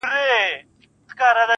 ما د وحشت په زمانه کي زندگې کړې ده.